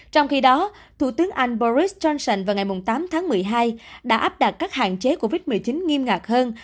trong khi đó thủ tướng anh boris johnson vào ngày tám tháng một mươi hai đã áp đặt các hạn chế covid một mươi chín nghiêm ngặt hơn